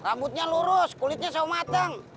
rambutnya lurus kulitnya sawo mateng